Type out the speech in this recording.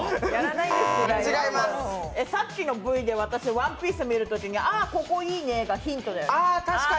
さっきのＶＴＲでワンピース見たときにああ、ここいいね、がヒントだよね。